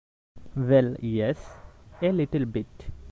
Well, yes, a little bit.